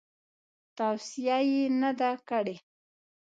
توصیه یې نه ده کړې.